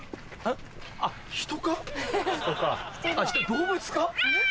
動物か？